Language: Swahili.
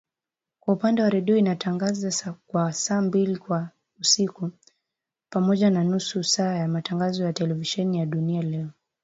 Kwa upande wa redio inatangaza kwa saa mbili kwa siku, pamoja na nusu saa ya matangazo ya televisheni ya Duniani Leo